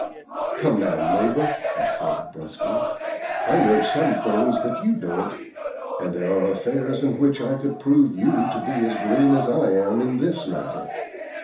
"Come now, neighbor," I said, brusquely, "I know some things that you don't, and there are affairs in which I could prove you to be as green as I am in this matter.